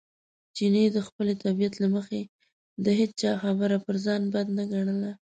چیني د خپلې طبیعت له مخې د هېچا خبره پر ځان بد نه ګڼله.